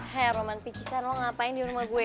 hei roman picisan lo ngapain di rumah gue